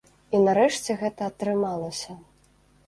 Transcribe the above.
І нарэшце гэта атрымалася.